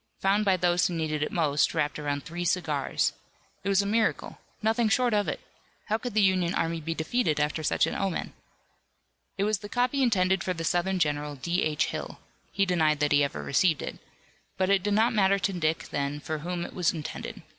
Found by those who needed it most wrapped around three cigars! It was a miracle! Nothing short of it! How could the Union army be defeated after such an omen? It was the copy intended for the Southern general, D. H. Hill he denied that he ever received it but it did not matter to Dick then for whom it was intended.